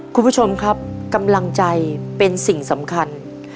คุณผู้ชมครับกำลังใจเป็นสิ่งสำคัญ